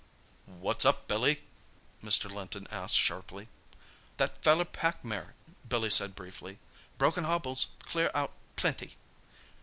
"What's up, Billy?" Mr. Linton asked sharply. "That feller pack mare," Billy said briefly. "Broken hobbles—clear out. Plenty!"